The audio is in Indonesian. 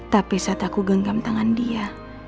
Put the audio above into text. tapi saat aku genggam tangan dia